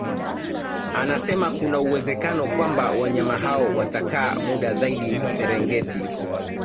Anasema kuna uwezekano kwamba wanyama hao watakaa muda zaidi Serengeti